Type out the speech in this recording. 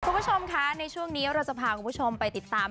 คุณผู้ชมคะในช่วงนี้เราจะพาคุณผู้ชมไปติดตาม